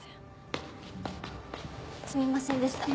すみませんでした。